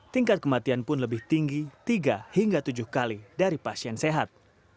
tingkat kematian pun lebih tinggi tiga hingga tujuh kali dari pasien sehat